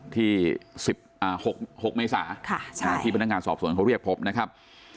ที่๑๖เมษาที่พนักงานสอบสวนเขาเรียกพบนะครับ